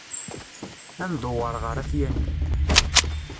Ad ndewwer ɣer At Yanni.